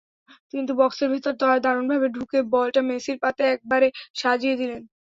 কিন্তু বক্সের ভেতরে দারুণভাবে ঢুকে বলটা মেসির পাতে একেবারে সাজিয়ে দিলেন।